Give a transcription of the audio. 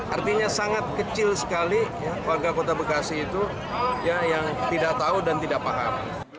artinya sangat kecil sekali warga kota bekasi itu yang tidak tahu dan tidak paham